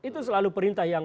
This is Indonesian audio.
itu selalu perintah ya pak